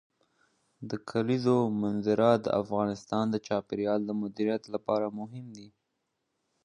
د کلیزو منظره د افغانستان د چاپیریال د مدیریت لپاره مهم دي.